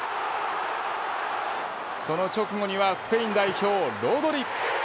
その直後にはスペイン代表ロドリ。